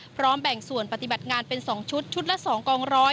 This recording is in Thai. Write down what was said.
พร้อมแบ่งส่วนปฏิบัติงานเป็น๒ชุดชุดละ๒กอง๑๐๐